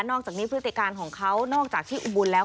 อกจากนี้พฤติการของเขานอกจากที่อุบลแล้ว